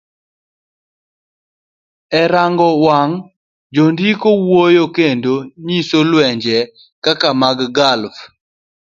E rang'ong wang', jondiko wuoyo kendo nyiso lwenje kaka mag Gulf,